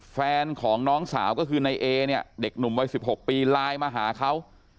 แฟนของน้องสาวก็คือในเอเนี่ยเด็กหนุ่มวัย๑๖ปีไลน์มาหาเขา